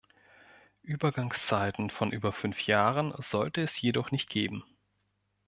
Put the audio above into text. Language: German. Übergangszeiten von über fünf Jahren sollte es jedoch nicht geben.